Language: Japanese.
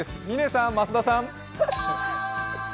嶺さん、増田さん。